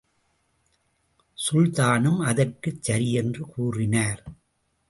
சுல்தானும், அதற்குச் சரியென்று கூறினார்.